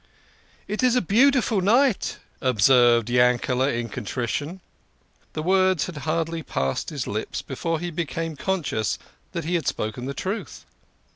" It is a beautiful night," observed Yankeld in contrition. The words had hardly passed his lips before he became con scious that he had spoken the truth.